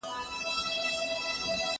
هغه وويل چي پاکوالی مهم دی،